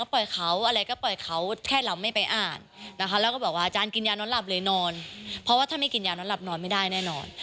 เพราะว่าถ้าไม่กินยานอนหลับนอนไม่ได้แน่นอน